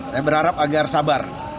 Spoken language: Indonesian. saya berharap agar sabar